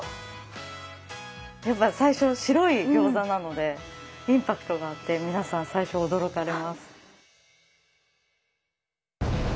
やっぱ最初白い餃子なのでインパクトがあって皆さん最初驚かれます。